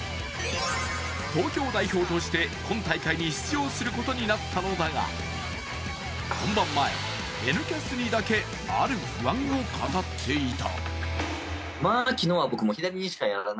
東京代表として今大会に出場することになったのだが本番前、「Ｎキャス」にだけある不安を語っていた。